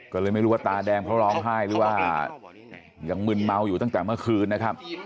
ก็เลยไม่รู้ว่าตาแดงเขาร้องไห้หรือว่ายังมึนเมาอยู่ตั้งแต่เมื่อคืนนะครับ